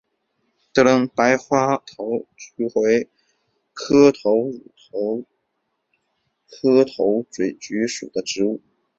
白花头嘴菊为菊科头嘴菊属的植物。